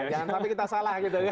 jangan sampai kita salah gitu ya